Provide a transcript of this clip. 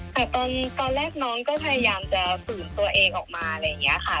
แต่ตอนแรกน้องก็พยายามจะฝืนตัวเองออกมาอะไรอย่างนี้ค่ะ